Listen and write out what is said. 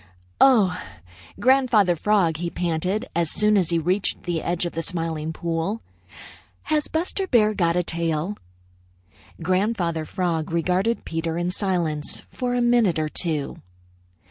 "Oh, Grandfather Frog," he panted, as soon as he reached the edge of the Smiling Pool, "has Buster Bear got a tail?" Grandfather Frog regarded Peter in silence for a minute or two.